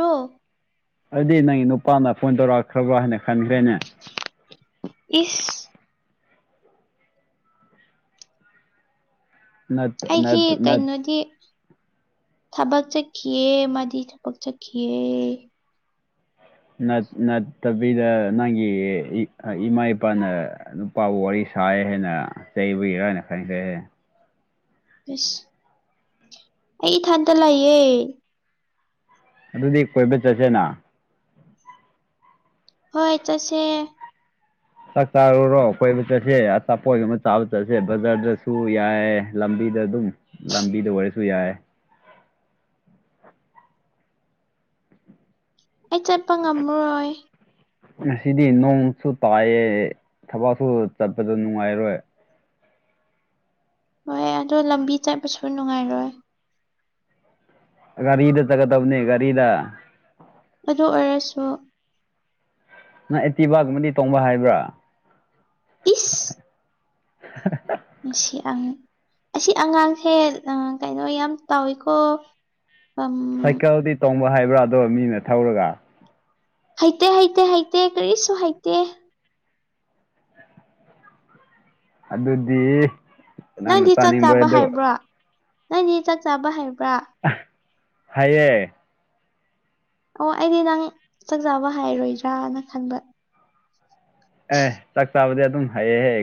ꯔꯣ ꯑꯗꯨꯗꯤ ꯅꯪꯒꯤ ꯅꯨꯄꯥꯅ ꯐꯣꯟ ꯇꯧꯔꯛꯈ꯭ꯔꯕ꯭ꯔꯣ ꯍꯥꯏꯅ ꯈꯟꯈ꯭ꯔꯦꯅꯦ ꯏꯁ ꯑꯩꯒꯤ ꯀꯩꯅꯣꯗꯤ ꯊꯕꯛ ꯆꯠꯈꯤꯑꯦ ꯃꯥꯗꯤ ꯊꯕꯛ ꯆꯠꯈꯤꯑꯦ ꯅꯠꯇꯕꯤꯗ ꯅꯪꯒꯤ ꯏꯃꯥ ꯏꯄꯥꯅ ꯄꯥ ꯋꯥꯔꯤ ꯁꯥꯏ ꯍꯥꯏꯦꯅ ꯆꯩꯕꯒꯤꯔꯥ ꯍꯥꯏꯅ ꯈꯟꯈ꯭ꯔꯦ ꯁ ꯑꯩ ꯏ ꯊꯟꯇ ꯂꯥꯛꯌꯦ ꯑꯗꯨꯗꯤ ꯀꯣꯏꯕ ꯆꯠꯁꯦꯅ ꯍꯣꯏ ꯇꯁꯦ ꯆꯥꯛ ꯆꯥꯔꯨꯔꯣ ꯀꯣꯏꯕ ꯆꯠꯁꯦ ꯑꯆꯥꯄꯣꯏ ꯑꯃ ꯆꯥꯕ ꯆꯠꯁꯦ ꯕꯖꯥꯔꯗꯁꯨ ꯌꯥꯏ ꯂꯝꯕꯤꯗ ꯑꯗꯨꯝ ꯂꯝꯕꯤꯗ ꯑꯣꯏꯔꯁꯨ ꯌꯥꯏ ꯑꯩ ꯆꯠꯄ ꯉꯝꯃꯔꯣꯏ ꯉꯁꯤꯗꯤ ꯅꯣꯡꯁꯨ ꯇꯥꯏꯌꯦ ꯊꯕꯛꯁꯨ ꯆꯠꯄꯗ ꯅꯨꯡꯉꯥꯏꯔꯣꯏ ꯍꯣꯏ ꯑꯗꯣ ꯂꯝꯕꯤ ꯆꯠꯄꯁꯨ ꯅꯨꯡꯉꯥꯏꯔꯣꯏ ꯒꯥꯔꯤꯗ ꯆꯠꯀꯗꯕꯅꯤ ꯒꯥꯔꯤꯗ ꯑꯗꯨ ꯑꯣꯏꯔꯁꯨ ꯅꯪ ꯑꯦꯇꯤꯕꯒꯨꯝꯃꯗꯤ ꯇꯣꯡꯕ ꯍꯥꯏꯕ꯭ꯔꯥ ꯀꯤꯁ ꯁꯤ ꯑꯁꯤ ꯑꯉꯥꯡꯁꯦ ꯀꯩꯅꯣ ꯌꯥꯝ ꯇꯧꯏꯤꯀꯣ ꯑꯝ ꯁꯥꯏꯀꯜꯗꯤ ꯇꯣꯡꯕ ꯍꯥꯏꯕ꯭ꯔꯥ ꯑꯗ ꯃꯤꯅ ꯊꯧꯔꯒ ꯍꯩꯇꯦ ꯍꯩꯇꯦ ꯍꯩꯇꯦ ꯀꯔꯤꯁꯨ ꯍꯩꯇꯦ ꯑꯗꯨꯗꯤ ꯅꯪꯅ ꯅꯪꯗꯤ ꯆꯥꯛ ꯆꯥꯅꯤꯡꯕ ꯆꯥꯕ ꯑꯗꯨ ꯍꯥꯏꯕ꯭ꯔꯥ ꯅꯪꯗꯤ ꯆꯥꯛ ꯆꯥꯕ ꯍꯥꯏꯕ꯭ꯔꯥ ꯍꯩꯌꯦ ꯑꯣ ꯑꯩꯗꯤ ꯅꯪ ꯆꯥꯛ ꯆꯥꯕ ꯍꯥꯏꯔꯣꯏꯗ꯭ꯔꯥꯅ ꯈꯟꯕ ꯑꯦ ꯆꯥꯛ ꯆꯥꯕꯗꯤ ꯑꯗꯨꯝ ꯍꯩꯑꯦ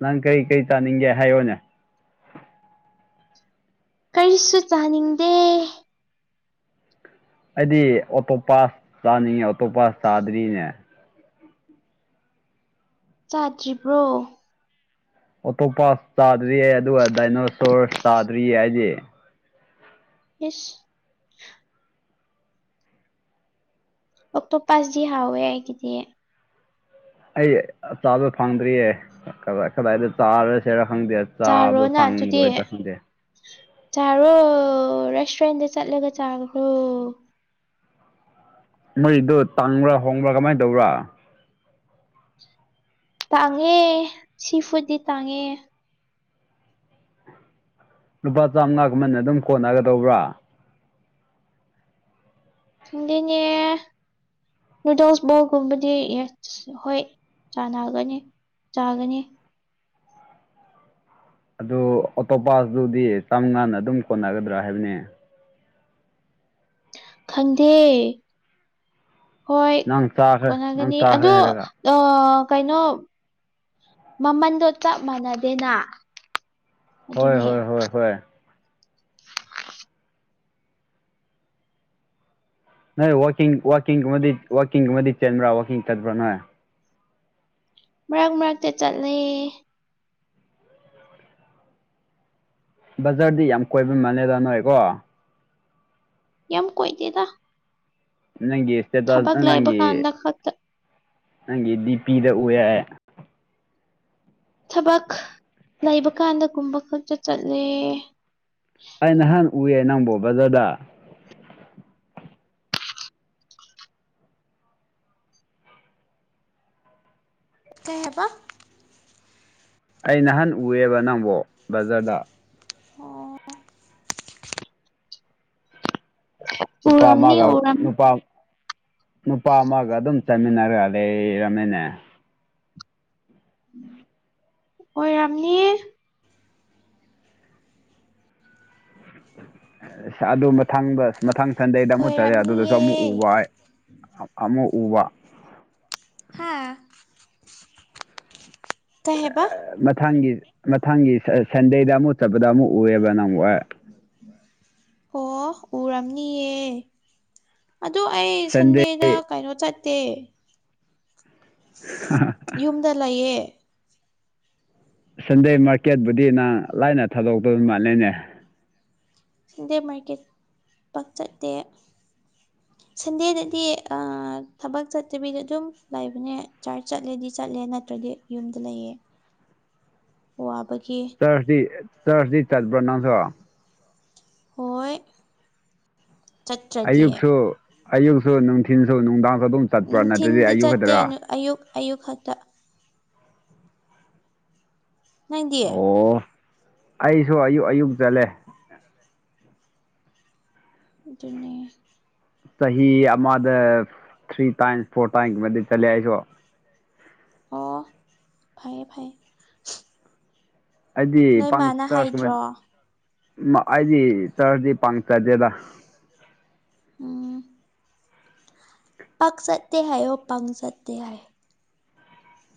ꯅꯪ ꯀꯔꯤ ꯀꯔꯤ ꯆꯥꯅꯤꯡꯒꯦ ꯍꯥꯏꯌꯣꯅꯦ ꯀꯔꯤꯁꯨ ꯆꯥꯅꯤꯡꯗꯦ ꯑꯩꯗꯤ ꯑꯣꯇꯣꯞ ꯄꯥꯁ ꯆꯥꯅꯤꯡꯉꯦ ꯑꯣꯇꯣꯞ ꯄꯥꯁ ꯆꯥꯗ꯭ꯔꯤꯅꯦ ꯆꯥꯗ꯭ꯔꯤꯕ꯭ꯔꯣ ꯑꯣꯇꯣꯞ ꯄꯥꯁ ꯇꯥꯗ꯭ꯔꯤꯌꯦ ꯑꯗꯨꯒ ꯗꯥꯏꯅꯣꯁꯣ꯭ꯔꯁ ꯆꯥꯗ꯭ꯔꯤꯌꯦ ꯍꯥꯏꯗꯤ ꯏꯁ ꯑꯣꯛꯇꯣ ꯄꯥꯁꯗꯤ ꯍꯥꯎꯋꯦ ꯑꯩꯗꯤ ꯑꯩ ꯆꯥꯕ ꯐꯪꯗ꯭ꯔꯤꯌꯦ ꯀꯗꯥꯏ ꯀꯗꯥꯏꯗ ꯆꯥꯔꯁꯦꯔ ꯈꯪꯗꯦ ꯆꯥꯕ ꯆꯥꯔꯣꯅ ꯑꯗꯨꯗꯤ ꯐꯪꯏꯗꯣꯏ ꯈꯪꯗꯦ ꯆꯥꯔꯣ ꯔꯦꯁꯇꯨꯔꯦꯟꯗ ꯆꯠꯂꯒ ꯆꯥꯈ꯭ꯔꯣ ꯃꯣꯏꯗꯣ ꯇꯥꯡꯕ꯭ꯔꯥ ꯍꯣꯡꯕ꯭ꯔꯥ ꯀꯃꯥꯏ ꯇꯧꯕ꯭ꯔꯥ ꯇꯥꯡꯉꯦ ꯁꯤꯐꯨꯠꯇꯤ ꯇꯥꯡꯉꯦ ꯂꯨꯄꯥ ꯆꯥꯝꯃꯉꯥꯒꯨꯝꯅ ꯑꯗꯨꯝ ꯀꯣꯟꯅꯒ ꯗꯧꯕ꯭ꯔꯥ ꯈꯪꯗꯦꯅꯦ ꯅꯨꯨꯗꯜꯁꯕꯣꯒꯨꯝꯕꯗꯤ ꯌꯦ ꯑꯁ ꯍꯣꯏ ꯆꯥꯟꯅꯒꯅꯤ ꯆꯥꯒꯅꯤ ꯑꯗꯨ ꯑꯣꯇꯣꯄꯁꯇꯨꯗꯤ ꯆꯝꯉꯥꯟꯅ ꯑꯗꯨꯝ ꯀꯣꯟꯅꯒꯗ꯭ꯔꯥ ꯍꯥꯏꯕꯅꯦ ꯈꯪꯗꯦ ꯍꯣꯏ ꯅꯪ ꯆꯥꯈ꯭ꯔꯦ ꯅꯪ ꯀꯣꯟꯅꯒꯅꯤ ꯆꯥꯈ꯭ꯔꯦ ꯑꯗꯣ ꯍꯥꯏꯔꯒ ꯑ ꯀꯩꯅꯣ ꯃꯃꯟꯗꯣ ꯆꯞ ꯃꯥꯟꯅꯗꯦꯅ ꯍꯣꯏ ꯑꯗꯨꯅꯤ ꯍꯣꯏ ꯍꯣꯏ [unintelligible] ꯅꯣꯏ ꯋꯥꯀꯤꯡ ꯋꯥꯀꯤꯡꯒꯨꯝꯕꯗꯤ ꯋꯥꯀꯤꯡꯒꯨꯝꯕꯗꯤ ꯆꯦꯟꯕ꯭ꯔꯥ ꯋꯥꯋꯀꯤꯡ ꯆꯠ꯭ꯔꯥ ꯅꯣꯏ ꯃꯔꯛ ꯃꯔꯛꯇ ꯆꯠꯂꯦ ꯕꯖꯥꯔꯗꯤ ꯌꯥꯝ ꯀꯣꯏꯕ ꯃꯥꯜꯂꯦꯗ ꯅꯣꯏꯀꯣ ꯌꯥꯝ ꯀꯣꯏꯗꯦꯗ ꯅꯪꯒꯤ ꯊꯕꯛ ꯏꯁꯇꯦꯇꯁꯅ ꯂꯩꯕ ꯅꯪꯒꯤ ꯀꯥꯟꯗ ꯈꯛꯇ ꯅꯪꯒꯤ ꯗꯤ ꯄꯤ ꯗ ꯎꯌ ꯊꯕꯛ ꯂꯩꯕ ꯀꯥꯟꯗꯒꯨꯝꯕ ꯈꯛꯇ ꯆꯠꯂꯦ ꯑꯩ ꯅꯍꯥꯟ ꯎꯌꯦ ꯅꯪꯕꯣ ꯕꯖꯔꯗ ꯀ ꯍꯥꯏꯕ ꯑꯩ ꯅꯍꯥꯟ ꯎꯑꯦꯕ ꯅꯪꯕꯣ ꯕꯖꯥꯔꯗ ꯑꯣ ꯅꯨꯄꯥ ꯎꯔꯝꯅꯤ ꯑꯃꯒ ꯎꯔꯝ ꯅꯨꯄꯥ ꯅꯨꯄꯥ ꯑꯃꯒ ꯑꯗꯨꯝ ꯆꯠꯃꯤꯟꯅꯔꯒ ꯂꯩꯔꯃꯤꯅꯦ ꯑꯣꯏꯔꯝꯅꯤ ꯑꯗꯨ ꯃꯊꯪꯗ ꯃꯊꯪ ꯁꯟꯗꯦꯗ ꯑꯃꯨꯛ ꯆꯠꯂꯦ ꯑꯗꯨꯗꯁꯨ ꯑꯣꯏꯔꯝꯅꯤꯌꯦ ꯑꯃꯨꯛ ꯎꯕ ꯍꯥꯏ ꯑꯃꯨꯛ ꯎꯕ ꯍꯥꯥ ꯃꯊꯪꯒꯤ ꯃꯊꯪꯒꯤ ꯁꯟꯗꯦꯗ ꯑꯃꯨꯛ ꯆꯠꯄꯗ ꯑꯃꯨꯛ ꯎꯑꯦꯕ ꯅꯪ ꯑꯣ ꯎꯔꯝꯅꯤꯌꯦ ꯑꯗꯣ ꯑꯩ ꯁꯟꯗꯦ ꯁꯟꯗꯦꯗ ꯀꯩꯅꯣ ꯆꯠꯇꯦ ꯍꯥ ꯍ ꯌꯨꯝꯗ ꯂꯩꯌꯦ ꯁꯟꯗꯦ ꯃꯥꯔꯀꯦꯠꯕꯨꯗꯤ ꯅꯪ ꯂꯥꯏꯅ ꯊꯥꯗꯣꯛꯇꯣꯏ ꯃꯥꯂꯦꯅꯦ ꯁꯥꯟꯗꯦ ꯃꯥꯔꯀꯦꯠ ꯄꯥꯛ ꯆꯠꯇꯦ ꯁꯟꯗꯦꯗꯗꯤ ꯊꯕꯛ ꯆꯠꯇꯕꯤꯗ ꯑꯗꯨꯝ ꯂꯩꯕꯅꯦ ꯆꯥꯔꯆ ꯆꯠꯂꯗꯤ ꯆꯠꯂꯦ ꯅꯠꯇ꯭ꯔꯗꯤ ꯌꯨꯝꯗ ꯂꯩꯌꯦ ꯋꯥꯕꯒꯤ ꯆꯔꯆꯇꯤ ꯆꯔꯆꯇꯤ ꯆꯠꯄ꯭ꯔꯣ ꯅꯪꯁꯨ ꯍꯣꯏ ꯆꯠꯇ꯭ꯔꯗꯤ ꯑꯌꯨꯛꯁꯨ ꯑꯌꯨꯛꯁꯨ ꯅꯨꯡꯊꯤꯟꯁꯨ ꯅꯨꯡꯗꯥꯡꯁꯨ ꯑꯗꯨꯝ ꯆꯠꯄ꯭ꯔꯥ ꯅꯠꯇ꯭ꯔꯗꯤ ꯅꯨꯡꯊꯤꯟꯗꯤ ꯑꯌꯨꯛ ꯆꯠꯇꯦ ꯈꯛꯇꯔꯥ ꯑꯌꯨꯛ ꯑꯌꯨꯛ ꯈꯛꯇ ꯅꯪꯗꯤ ꯑꯣ ꯑꯩꯁꯨ ꯑꯌꯨꯛ ꯑꯌꯨꯛ ꯆꯠꯂꯦ ꯑꯗꯨꯅꯦ ꯆꯍꯤ ꯑꯃꯗ ꯊ꯭ꯔꯤ ꯇꯥꯏꯝꯁ ꯐꯣꯔ ꯇꯥꯏꯝꯀꯨꯝꯕꯗꯤ ꯆꯠꯂꯦ ꯑꯩꯁꯨ ꯑꯣ ꯐꯩꯌꯦ ꯐꯩꯌꯦ ꯑꯩꯗꯤ ꯅꯣꯏ ꯄꯥꯛ ꯃꯥꯅ ꯆꯔꯖꯨ ꯍꯥꯏꯗ꯭ꯔꯣ ꯑꯩꯗꯤ ꯆꯥꯔꯖꯗꯤ ꯄꯥꯛꯅ ꯆꯠꯇꯦꯗ ꯑꯝ ꯄꯥꯛꯆꯠꯇꯦ ꯍꯥꯏꯌꯨ ꯄꯥꯝꯖꯗꯦ ꯍꯥꯢ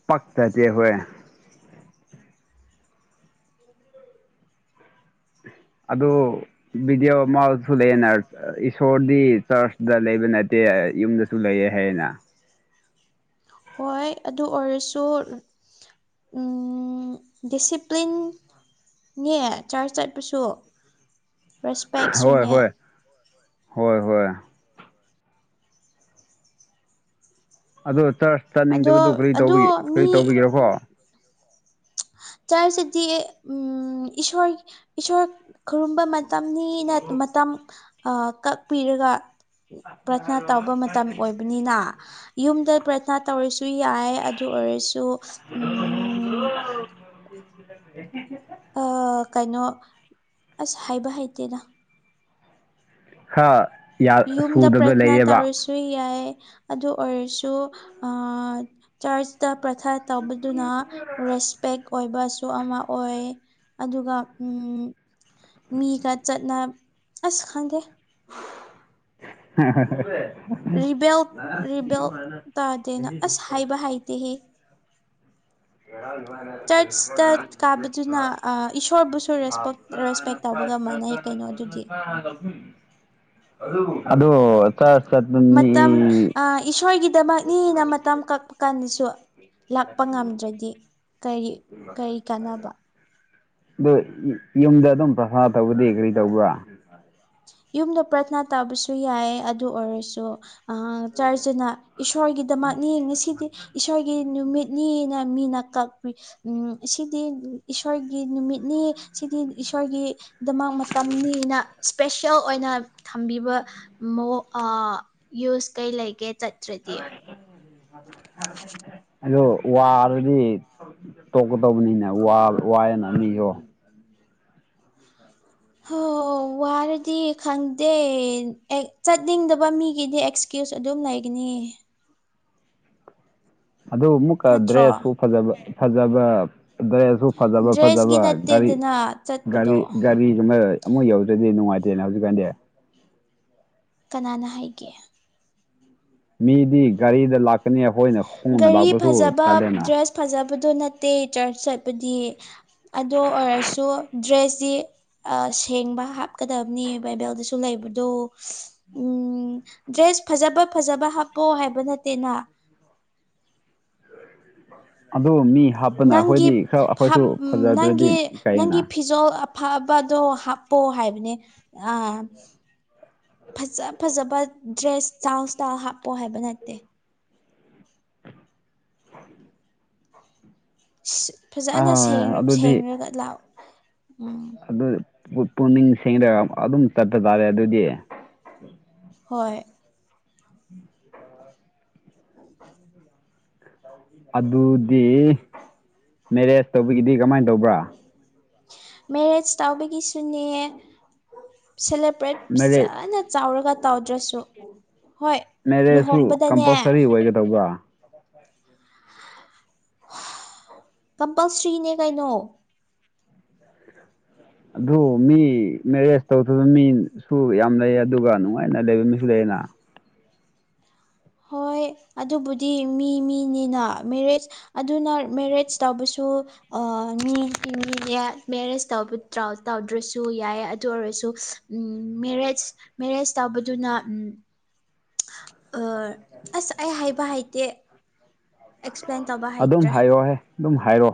ꯄꯥꯛꯖꯗꯦ ꯍꯣꯢ ꯑꯗꯣ ꯚꯗꯤꯑꯣ ꯑꯃꯁꯨ ꯂꯩꯑꯦꯅ ꯏꯁꯣꯔꯗꯤ ꯆꯔꯆꯇ ꯂꯩꯕ ꯅꯠꯇꯦ ꯌꯨꯝꯗ ꯁꯨ ꯂꯩꯑꯦ ꯍꯥꯏꯅ ꯍꯣꯏ ꯑꯗꯨ ꯑꯣꯏꯔꯁꯨ ꯗꯤꯁꯤꯄ꯭ꯂꯤꯟ ꯅꯦ ꯆ꯭ꯥꯔꯆ ꯆꯠꯄꯁꯨ ꯍꯣꯏ ꯔꯦꯁ꯭ꯄꯦꯛꯁꯨꯅꯦ ꯍꯣꯏ ꯍꯣꯏ ꯍꯣꯏ ꯑꯗꯣ ꯆꯥ꯭ꯔꯆ ꯆꯥꯅꯤꯡꯗꯕꯗꯨ ꯑꯗꯣ ꯀ ꯑꯗꯣ ꯀꯔꯤ ꯇꯧꯕꯤꯒꯦꯔꯣ ꯆꯔꯆꯁꯤꯗꯤ ꯎꯝ ꯏꯁꯣꯔ ꯏꯁꯣꯔ ꯈꯨꯔꯨꯝꯕ ꯃꯇꯝꯅꯤꯅ ꯃꯇꯝ ꯀꯛꯄꯤꯔꯒ ꯄ꯭ꯔꯊꯅꯥ ꯇꯧꯕ ꯃꯇꯝ ꯑꯣꯏꯕꯅꯤꯅ ꯌꯨꯝꯗ ꯄ꯭ꯔꯊꯅꯥ ꯇꯧꯔꯁꯨ ꯌꯥꯏ ꯑꯗꯨ ꯑꯣꯏꯔꯁꯨ [inaudible] ꯑꯥ ꯀꯩꯅꯣ ꯑꯁ ꯍꯥꯏꯕ ꯍꯩꯇꯦꯗ ꯁꯨꯗꯕ ꯂꯩꯌꯦꯕ ꯁꯨ ꯌꯥꯏ ꯑꯗꯨ ꯑꯣꯏꯔꯁꯨ ꯆꯥꯔꯆ ꯇ ꯄ꯭ꯔꯊꯥꯅ ꯇꯧꯕꯗꯨꯅ ꯔꯦꯁꯄꯦꯛ ꯑꯣꯏꯕꯁꯨ ꯑꯃ ꯑꯣꯏ ꯑꯗꯨꯒ ꯑꯝ ꯃꯤꯒ ꯆꯠꯅ ꯑꯁ ꯈꯪꯗꯦ [inaudible] ꯔꯤꯕꯦꯜ ꯔꯤꯕꯦꯜ ꯇꯥꯗꯦꯅ ꯑꯁ ꯍꯥꯏꯕ ꯍꯩꯇꯦꯍꯦ ꯌꯥꯔ ꯃ [inaudible] ꯆꯔꯆꯇ ꯀꯥꯕꯗꯨꯅ ꯏꯁꯣꯔꯕꯨꯁꯨ ꯔꯦꯁꯄꯦꯛ ꯔꯦꯁꯄꯦꯛ ꯇꯧꯕꯒ ꯃꯥꯟꯅꯩ ꯀꯩꯅꯣ ꯑꯗꯨꯗꯤ ꯑꯗꯣ ꯆꯔꯆ ꯆꯠꯄ ꯃꯤ ꯏꯁꯣꯏꯒꯤ ꯗꯃꯛꯅꯤ ꯃꯇꯝ ꯀꯛꯄ ꯀꯥꯟꯗꯁꯨ ꯂꯥꯛꯄ ꯉꯝꯗ꯭ꯔꯗꯤ ꯀꯔꯤ ꯀꯔꯤ ꯀꯥꯟꯅꯕ ꯑꯗꯨ ꯌꯨꯝꯗ ꯑꯗꯨꯝ ꯄ꯭ꯔꯊꯥꯅ ꯇꯧꯕꯗꯤ ꯀꯔꯤ ꯇꯧꯕ꯭ꯔꯥ ꯌꯨꯝꯗ ꯄ꯭ꯔꯊꯅꯥ ꯇꯧꯕꯁꯨ ꯌꯥꯏ ꯑꯗꯨ ꯑꯣꯏꯔꯁꯨ ꯆꯔꯆꯅ ꯏꯁꯣꯔꯒꯤꯗꯃꯛꯅꯤ ꯉꯁꯤꯗꯤ ꯏꯁꯣꯔ ꯒꯤ ꯅꯨꯃꯤꯠꯅꯤꯅ ꯃꯤꯅ ꯀꯛꯄꯤ ꯎꯝ ꯉꯁꯤꯗꯤ ꯏꯁꯣꯔꯒꯤ ꯅꯨꯃꯤꯠꯅꯤ ꯁꯤꯗꯤ ꯏꯁꯣꯔꯒꯤꯗꯃꯛ ꯃꯇꯝꯅꯤꯅ ꯏꯁꯄꯦꯁꯦꯜ ꯑꯣꯏꯅ ꯊꯝꯕꯤꯕ ꯃꯣ ꯑ ꯌꯨꯁ ꯀꯩ ꯂꯩꯒꯦ ꯆꯠꯇ꯭ꯔꯗꯤ ꯍꯜꯂꯣ ꯋꯥꯕꯗꯤ ꯇꯣꯛꯀꯇꯧꯕꯅꯤꯅ ꯋꯥ ꯋꯥꯏꯅ ꯅꯤꯌꯣ ꯍꯣ ꯋꯥꯔꯗꯤ ꯈꯪꯗꯦ ꯆꯠꯅꯤꯡꯗꯕ ꯃꯤꯒꯤꯗꯤ ꯑꯦꯛꯁ ꯀ꯭ꯌꯨꯁ ꯑꯗꯨꯝ ꯂꯩꯒꯅꯤ ꯑꯗꯨ ꯑꯃꯨꯛꯀ ꯅꯠꯇ꯭ꯔꯣ ꯗ꯭ꯔꯦꯁꯁꯨ ꯐꯖꯕ ꯐꯖꯕ ꯗ꯭ꯔꯦꯁ ꯁꯨ ꯐꯖꯕ ꯗ꯭ꯔꯦꯁꯀꯤ ꯐꯖꯕ ꯒꯥꯔꯤ ꯅꯠꯇꯦꯗꯅ ꯆꯠꯄꯗꯣ ꯒꯥꯔꯤ ꯒꯥꯔꯤ ꯀꯥꯏ ꯑꯃꯨꯛ ꯌꯧꯗ꯭ꯔꯗꯤ ꯅꯨꯡꯉꯥꯏꯇꯦꯅ ꯍꯧꯖꯤꯛꯀꯥꯟꯗꯤ ꯀꯅꯥꯅ ꯍꯥꯏꯒꯦ ꯃꯤꯗꯤ ꯒꯥꯔꯤꯗ ꯂꯥꯛꯀꯅꯤ ꯑꯩꯈꯣꯏꯅ ꯈꯣꯡꯅ ꯒꯥꯔꯤ ꯂꯥꯛꯄꯁꯨ ꯐꯖꯕ ꯇꯜꯂꯦꯅ ꯗ꯭ꯔꯦꯁ ꯐꯖꯕꯗꯣ ꯅꯠꯇꯦ ꯆꯔꯆ ꯆꯠꯄꯗꯤ ꯑꯗꯨ ꯑꯣꯏꯔꯁꯨ ꯗ꯭ꯔꯦꯁꯇꯤ ꯑ ꯁꯦꯡꯕ ꯍꯥꯞꯀꯗꯕꯅꯤ ꯕꯥꯏꯕꯦꯜꯗꯁꯨ ꯂꯩꯕꯗꯣ ꯎꯝ ꯗ꯭ꯔꯦꯁ ꯐꯖꯕ ꯐꯖꯕ ꯍꯥꯞꯄꯣ ꯍꯥꯏꯕ ꯅꯠꯇꯦꯅ ꯑꯗꯨ ꯃꯤ ꯍꯥꯞ ꯅꯪꯒꯤ ꯅꯪꯒꯤ ꯅꯪꯒꯤ ꯏꯀꯥꯏꯌꯦꯅ ꯐꯤꯖꯣꯜ ꯐꯕꯗꯣ ꯍꯥꯞꯄꯣ ꯍꯥꯏꯕꯅꯦ ꯑ ꯐꯖ ꯐꯖꯕ ꯗ꯭ꯔꯦꯁ ꯏꯁꯇꯥꯜꯠꯇ ꯍꯥꯞꯄꯣ ꯍꯥꯏꯕ ꯅꯠꯇꯦ ꯐꯖꯅ ꯁꯦꯡ ꯑꯥ ꯑꯗꯨꯗꯤ ꯁꯦꯡꯉꯒ ꯂꯥꯛꯑꯣ ꯎꯝ ꯑꯗꯨ ꯄꯨꯛꯅꯤꯡ ꯁꯦꯡꯗ ꯑꯗꯨꯝ ꯆꯠꯄ ꯇꯥꯔꯦ ꯑꯗꯨꯗꯤ ꯍꯣꯏ ꯎ ꯑꯗꯨꯗꯤ ꯃꯦꯔꯦꯖ ꯇꯧꯕꯒꯤꯗꯤ ꯀꯃꯥꯏꯅ ꯇꯧꯕ꯭ꯔꯥ ꯃꯦꯔꯦꯖ ꯇꯧꯕꯒꯤꯁꯨꯅꯦ ꯁꯦꯂꯦꯕ꯭ꯔꯦꯠ ꯃꯦꯔꯦꯖ ꯐꯖꯅ ꯆꯥꯎꯔꯒ ꯇꯧꯗ꯭ꯔꯁꯨ ꯍꯣꯏ ꯃꯦꯔꯦꯖꯁꯨ ꯂꯨꯍꯣꯡꯕꯗꯅꯦ ꯀꯝꯄꯜꯁꯔꯤ ꯑꯣꯏꯒꯗꯧꯕ꯭ꯔꯥ ꯀꯝꯄꯜꯁꯔꯤꯅꯦ ꯀꯩꯅꯣ ꯑ ꯑꯗꯨ ꯃꯤ ꯃꯦꯔꯦꯖ ꯇꯧꯗꯕ ꯃꯤꯁꯨ ꯌꯥꯝ ꯂꯩ ꯑꯗꯨꯒ ꯅꯨꯡꯉꯥꯏꯅ ꯂꯩꯕ ꯃꯤꯁꯨ ꯂꯩꯌꯦꯅ ꯍꯣꯏ ꯑꯗꯨꯕꯨꯗꯤ ꯃꯤ ꯃꯤꯅꯤꯅ ꯃꯦꯔꯦꯖ ꯑꯗꯨꯅ ꯃꯦꯔꯦꯖ ꯇꯧꯕꯁꯨ ꯑ ꯃꯦꯔꯦꯖ ꯇ ꯇꯧꯗ꯭ꯔꯁꯨ ꯌꯥꯏ ꯑꯗꯨ ꯑꯣꯏꯔꯁꯨ ꯎ ꯃꯦꯔꯦꯖ ꯃꯦꯔꯦꯖ ꯇꯧꯕꯗꯨꯅ ꯑꯁ ꯑꯩ ꯍꯥꯏꯕ ꯍꯩꯇꯦ ꯑꯦꯛꯁꯄ꯭ꯂꯦꯟ ꯇꯧꯕ ꯑꯗꯨꯝ ꯍꯩꯇ꯭ꯔꯦ ꯍꯥꯏꯔꯣꯍꯦ ꯑꯗꯨꯝ ꯍꯥꯏꯔꯣ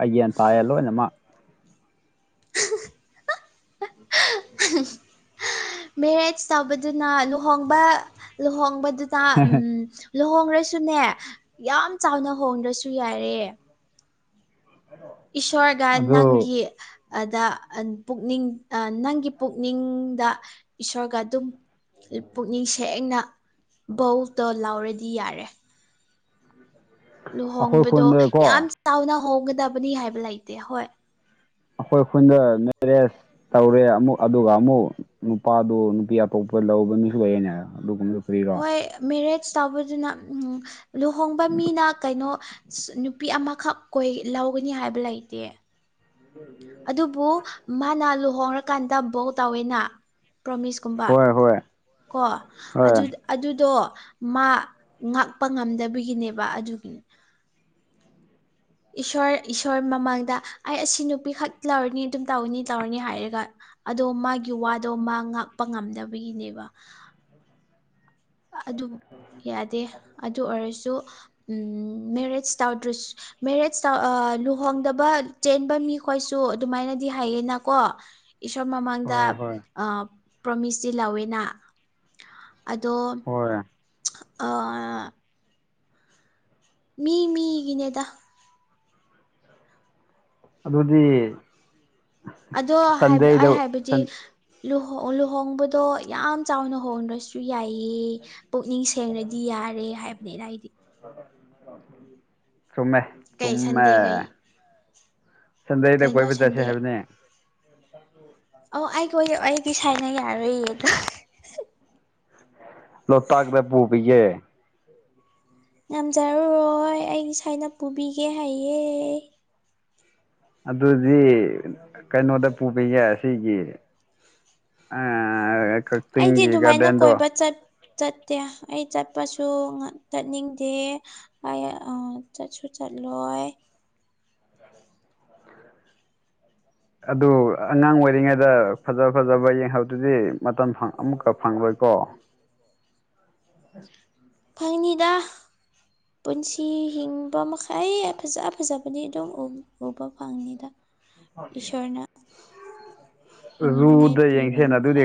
ꯑꯩ ꯒ꯭ꯌꯥꯟ ꯇꯥꯌꯦ ꯂꯣꯏꯅꯃꯛ ꯍꯥ ꯍꯥ ꯃꯦꯔꯦꯖ ꯇꯧꯕꯗꯨꯅ ꯂꯨꯍꯣꯡꯕ ꯂꯨꯍꯣꯡꯕꯗꯨ ꯗ ꯂꯨꯍꯣꯡꯂꯁꯨꯅꯦ ꯌꯥꯝ ꯆꯥꯎꯅ ꯍꯣꯡꯗ꯭ꯔꯁꯨ ꯌꯥꯏꯔꯦ ꯏꯁꯣꯔꯒ ꯑꯗꯨ ꯅꯪꯒꯤ ꯑꯗ ꯄꯨꯛꯅꯤꯡ ꯅꯪꯒꯤ ꯄꯨꯛꯅꯤꯡꯗ ꯏꯁꯣꯔꯒ ꯑꯗꯨꯝ ꯄꯨꯛꯅꯤꯡ ꯁꯦꯡꯅ ꯕꯧꯗꯣ ꯂꯥꯎꯔꯗꯤ ꯌꯥꯔꯦ ꯎ ꯂꯨꯍꯣꯡꯕꯗꯣ ꯌꯥꯝ ꯆꯥꯎꯅ ꯍꯣꯡꯒꯗꯕꯅꯤ ꯍꯥꯏꯕ ꯂꯩꯇꯦ ꯍꯣꯏ ꯑꯩꯈꯣꯏ ꯈꯨꯟꯗ ꯃꯦꯔꯦꯖ ꯇꯧꯔꯦ ꯑꯃꯨꯛ ꯑꯗꯨꯒ ꯑꯃꯨꯛ ꯅꯨꯄꯥꯗꯨ ꯅꯨꯄꯤ ꯑꯇꯣꯞꯄ ꯂꯧꯕ ꯃꯤꯁꯨ ꯂꯩꯌꯦꯅꯦ ꯑꯗꯨꯒꯨꯝꯕ ꯍꯣꯏ ꯃꯦꯔꯦꯖ ꯇꯧꯕꯗꯨꯅ ꯂꯨꯍꯣꯡꯕ ꯃꯤꯅ ꯀꯩꯅꯣ ꯅꯨꯄꯤ ꯑꯃꯈꯛ ꯀ ꯂꯧꯒꯅꯤ ꯍꯥꯏꯕ ꯂꯩꯇꯦ ꯎꯝ ꯎꯝ ꯑꯗꯨꯕꯨ ꯃꯥꯅ ꯂꯨꯍꯣꯡꯔꯀꯥꯟꯗ ꯕꯣ ꯇꯧꯋꯦꯅ ꯄ꯭ꯔꯣꯃꯤꯁꯀꯨꯝꯕ ꯍꯣꯏ ꯍꯣꯏ ꯀꯣ ꯍꯣꯏ ꯑꯗꯨꯗ ꯑꯗꯨꯗꯣ ꯃꯥ ꯉꯥꯛꯄ ꯉꯝꯗꯕꯒꯤꯅꯦꯕ ꯑꯗꯨꯒꯤꯅꯤ ꯏꯁꯣꯔ ꯏꯁꯣꯔ ꯃꯃꯥꯡꯗ ꯑꯩ ꯑꯁꯤ ꯅꯨꯄꯤ ꯈꯛ ꯂꯧꯔꯅꯤ ꯑꯗꯨꯝ ꯇꯧꯅꯤ ꯇꯧꯔꯅꯤ ꯍꯥꯏꯔꯒ ꯑꯗꯣ ꯃꯥꯒꯤ ꯋꯥꯗꯣ ꯃꯥ ꯉꯥꯛꯄ ꯉꯝꯅꯕꯒꯤꯅꯦꯕ ꯑꯗꯨ ꯌꯥꯗꯦ ꯑꯗꯨ ꯑꯣꯏꯔꯁꯨ ꯃꯦꯔꯦꯖ ꯇꯧꯗ꯭ꯔꯁꯨ ꯃꯦꯔꯦꯖ ꯇꯧ ꯑꯥ ꯂꯨꯍꯣꯡꯗꯕ ꯆꯦꯟꯕ ꯃꯤꯈꯣꯏꯁꯨ ꯑꯗꯨꯃꯥꯏꯅꯗꯤ ꯍꯥꯏꯌꯦꯅꯀꯣ ꯏꯁꯣꯔ ꯃꯃꯥꯡꯗ ꯍꯣꯏ ꯍꯣꯏ ꯄ꯭ꯔꯣꯃꯤꯁꯇꯤ ꯂꯧꯋꯦꯅ ꯑꯗꯣ ꯍꯣꯏ ꯑꯥ ꯃꯤ ꯃꯤꯒꯤꯅꯦꯗ ꯑꯗꯨꯗꯤ ꯑꯗꯣ ꯍꯥꯏꯕ ꯁꯟꯗꯦꯗ ꯑꯩ ꯍꯥꯏꯕꯗꯤ ꯁꯟ ꯂꯨꯍꫭ ꯂꯨꯍꯣꯡꯕꯗꯣ ꯌꯥꯝ ꯆꯥꯎꯅ ꯍꯣꯡꯗ꯭ꯔꯁꯨ ꯌꯥꯏꯌꯦ ꯄꯨꯛꯅꯤꯡ ꯁꯦꯡꯔꯗꯤ ꯌꯥꯔꯦ ꯍꯥꯏꯕꯅꯤꯗ ꯑꯩꯗꯤ [unintelligible] ꯆꯨꯝꯃꯦ ꯀꯩ ꯆꯨꯝꯃꯦ ꯁꯟꯗꯦ ꯀꯩ ꯁꯟꯗꯦꯗ ꯀꯩꯅꯣ ꯀꯣꯏꯕ ꯆꯠꯁꯦ ꯁꯟꯗꯦ ꯍꯥꯏꯕꯅꯦ ꯑꯣ ꯑꯩꯒꫭꯏ ꯑꯩꯗꯤ ꯁꯥꯏꯅ ꯌꯥꯔꯨꯏꯌꯦ ꯗꯣ ꯂꯣꯛꯄꯥꯟꯗ ꯄꯨꯕꯤꯒꯦ [unintelligible] ꯌꯉꯝꯖꯔꯔꯣꯏ ꯑꯩꯒꯤ ꯁꯥꯏꯅ ꯄꯨꯕꯤꯒꯦ ꯍꯥꯏꯌꯦ ꯑꯗꯨꯗꯤ ꯀꯩꯅꯣꯗ ꯄꯨꯕꯤꯒꯦ ꯑꯁꯤꯒꯤ ꯑꯥ ꯑꯩꯗꯤ ꯀꯛꯆꯤꯡꯒꯤ ꯑꯗꯨꯃꯥꯏꯅ ꯒꯥꯔꯗꯦꯟꯗꫭ ꯀꯣꯏꯕ ꯆꯠ ꯆꯠꯇꯦ ꯑꯩ ꯆꯠꯄꯁꯨ ꯆꯠꯅꯤꯡꯗꯦ ꯑꯩ ꯑꯥ ꯆꯠꯁꯨ ꯆꯠꯂꯣꯏ ꯑꯗꯨ ꯑꯉꯥꯡ ꯑꯣꯏꯔꯤꯉꯩꯗ ꯐꯖ ꯐꯖꯕ ꯌꯦꯡꯍꯧꯗꯔꯗꯤ ꯃꯇꯝ ꯐꯪ ꯑꯃꯨꯛꯀ ꯐꯪꯂꯣꯏꯀꯣ ꯐꯪꯅꯤꯗ ꯄꯨꯟꯁꯤ ꯍꯤꯡꯕ ꯃꯈꯩ ꯐꯖ ꯐꯖꯕꯗꯤ ꯑꯗꯨꯝ ꯎꯕ ꯐꯪꯅꯤꯗꯥ ꯏꯁꯣꯔꯅ ꯍꯤꯡꯅꯤꯡꯉꯥꯏ ꯔꯨꯗ ꯄꯤꯕ ꯌꯦꯡꯁꯤꯅ ꯑꯗꯨꯗꯤ ꯃꯈꯩ